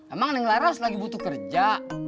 emang yang laras lagi butuh kerja